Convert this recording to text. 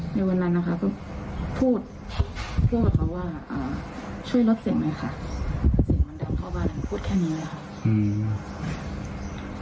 ในวันนั้นนะคะก็พูดเพื่อบอกเขาว่าอ่าช่วยลดเสียงไหมค่ะ